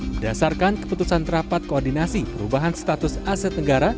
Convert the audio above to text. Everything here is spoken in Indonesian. berdasarkan keputusan rapat koordinasi perubahan status aset negara